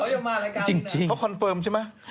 อยากเขาอะเห็นสิเขาคอนเฟิร์มใช่ไหม